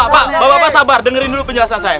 pak bapak sabar dengerin dulu penjelasan saya